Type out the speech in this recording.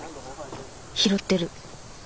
拾ってる。